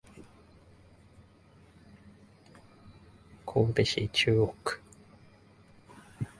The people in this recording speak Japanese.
神戸市中央区